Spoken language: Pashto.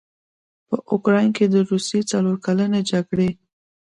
په اوکراین کې د روسیې څلورکلنې جګړې